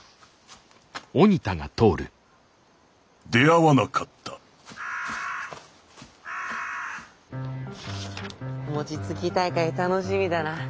出会わなかったもちつき大会楽しみだな。